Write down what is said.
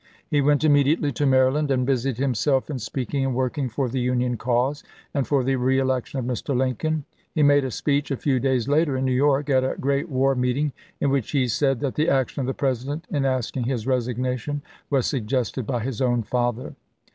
He went im mediately to Maryland and busied himself in speaking and working for the Union cause, and for the reelection of Mr. Lincoln. He made a speech a few days later in New York, at a great war meeting, in which he said that the action of the President in asking his resignation was sug gested by his own father.